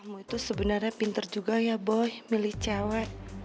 kamu itu sebenarnya pinter juga ya boy milih cewek